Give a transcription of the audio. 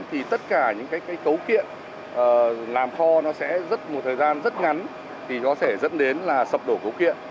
thì tất cả những cái cấu kiện làm kho nó sẽ rất một thời gian rất ngắn thì nó sẽ dẫn đến là sập đổ cấu kiện